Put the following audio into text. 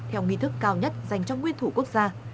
theo nghi thức cao nhất dành cho nguyên thủ quốc gia